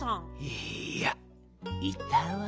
いいやいたわい。